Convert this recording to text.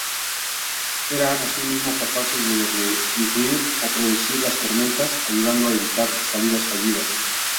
Eran asimismo capaces de intuir o predecir las tormentas, ayudando a evitar salidas fallidas.